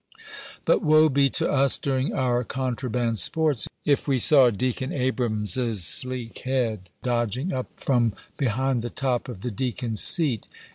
But woe be to us during our contraband sports, if we saw Deacon Abrams's sleek head dodging up from behind the top of the deacon's seat.